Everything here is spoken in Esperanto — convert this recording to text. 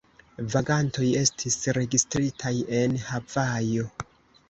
Vagantoj estis registritaj en Havajo.